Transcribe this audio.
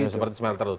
seperti semata lalu